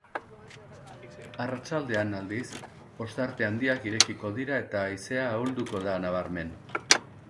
Arratsaldean aldiz, ostarte handiak irekiko dira eta haizea ahulduko da nabarmen.